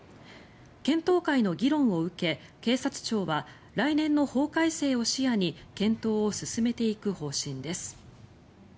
検討会の議論を受け警察庁は来年の法改正を視野に検討を進めていく方針です。